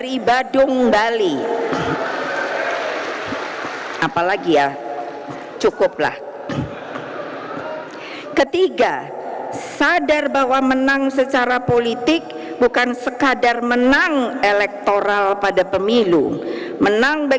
yang dimaksud dia